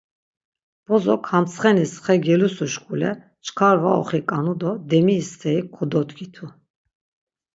Bozok ham ntsxenis xe gelusuşkule çkar var oxiǩanu do demiri steri kododgitu.